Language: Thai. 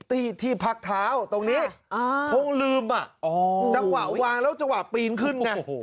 ที่ที่พักเท้าตรงนี้คงลืมจังหวะวางแล้วจังหวะปีนขึ้นไง